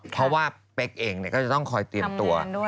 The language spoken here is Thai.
เพราะว่าเป๊กเองก็จะต้องคอยเตรียมตัว